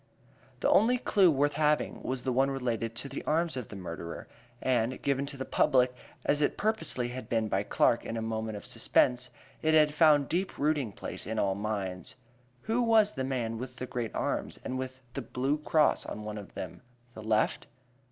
The only clue worth having was that one relating to the arms of the murderer, and, given to the public as it purposely had been by Clark in a moment of suspense, it had found deep rooting place in all minds. Who was the man with the great arms, and with the "blue cross" on one of them the left?